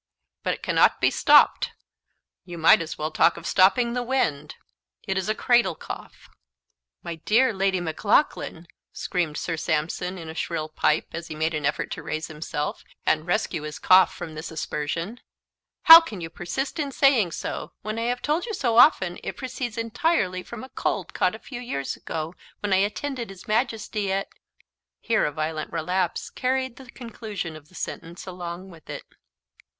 But it cannot be stopped you might as well talk of stopping the wind it is a cradle cough." "My dear Lady Maclaughlan!" screamed Sir Sampson in a shrill pipe, as he made an effort to raise himself, and rescue his cough from this aspersion; "how can you persist in saying so, when I have told you so often it proceeds entirely from a cold caught a few years ago, when I attended his Majesty at " Here a violent relapse carried the conclusion of the sentence along with it.